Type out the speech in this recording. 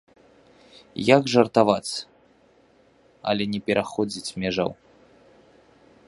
Як жартаваць, але не пераходзіць межаў?